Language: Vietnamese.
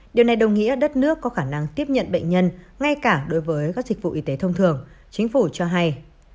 điều này đồng nghĩa đất nước có khả năng tiếp nhận bệnh nhân ngay cả đối với các dịch vụ y tế thông thường chính phủ cho hay